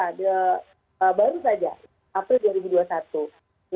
saya ke pak darwoto pak darwoto ini bagaimana sebenarnya keadaan para pengusaha